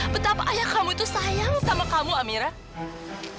betapa ayah kamu itu sayang sama kamu amira